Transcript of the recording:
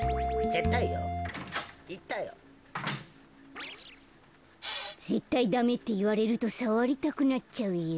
ぜったいダメっていわれるとさわりたくなっちゃうよ。